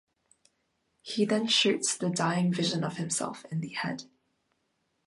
He then shoots the dying vision of himself in the head.